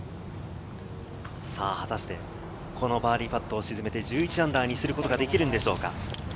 果たしてこのバーディーパットを沈めて−１１にすることができるんでしょうか。